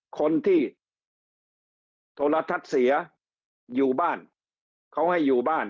คนที่โทรทัศน์เสียอยู่บ้านเขาให้อยู่บ้าน